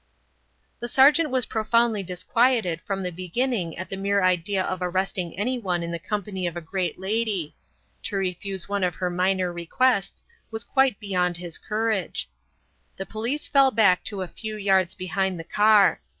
The sergeant was profoundly disquieted from the beginning at the mere idea of arresting anyone in the company of a great lady; to refuse one of her minor requests was quite beyond his courage. The police fell back to a few yards behind the car.